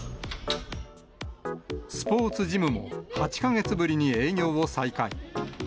スポーツジムも８か月ぶりに営業を再開。